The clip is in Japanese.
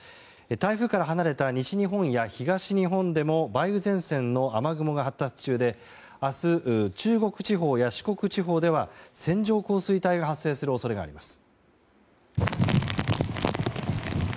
台風から離れた西日本や東日本でも梅雨前線の雨雲が発達中で明日、中国地方や四国地方では線状降水帯が発生する恐れがあります。